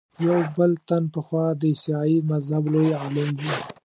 یو بل تن پخوا د عیسایي مذهب لوی عالم و.